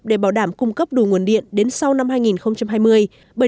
để bảo đảm cung cấp đủ nguồn điện đến sau năm hai nghìn hai mươi